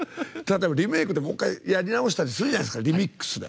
リメイクで、もう一回やり直したりするじゃないですかリミックスで。